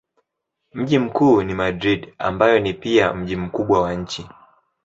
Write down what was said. Mji mkuu ni Madrid ambayo ni pia mji mkubwa wa nchi.